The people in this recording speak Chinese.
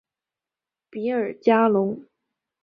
比尔加龙。